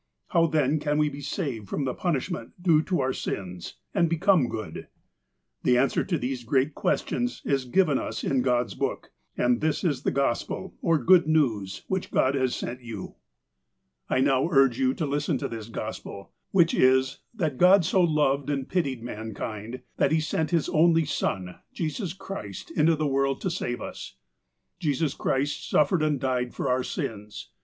'' How then can we be saved from the punishment due to oiu' sius, and become good ?" The answer to these great questions is given us in God's Book, and this is the Gospel, or good news, which God has sent you. THE FIRST MESSAGE 125 " I now urge you to listen to this Gospel, wMch is : That God so loved and pitied mankind, that He sent His only Son, Jesus Christ, into the world to save us, '' Jesus Christ suffered and died for our sins.